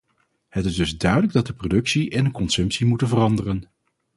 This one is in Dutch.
Het is dus duidelijk dat de productie en de consumptie moeten veranderen.